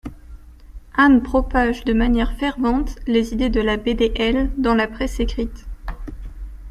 Hahn propage de manière fervente les idées de la BdL dans la presse écrite.